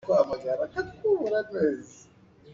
Burkina Faso, Angola, Botswana, Mauritania